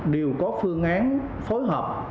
đều có phương án phối hợp